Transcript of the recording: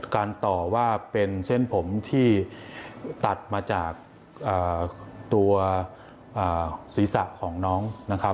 การต่อว่าเป็นเส้นผมที่ตัดมาจากตัวศีรษะของน้องนะครับ